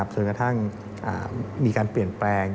จนกระทั่งมีการเปลี่ยนแปลง